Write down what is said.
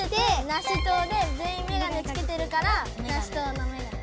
ナシトウで全いんメガネつけてるからナシトウのメガネ。